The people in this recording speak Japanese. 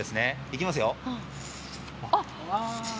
いきますよ。